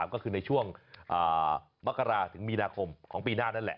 ก็คือในช่วงมกราถึงมีนาคมของปีหน้านั่นแหละ